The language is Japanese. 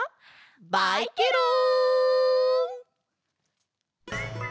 バイケロン！